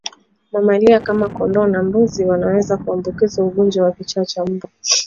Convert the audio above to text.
Mamalia kama kondoo na mbuzi wanaweza kuambukizwa ugonjwa wa kichaa cha mbwa